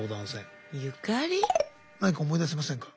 何か思い出せませんか？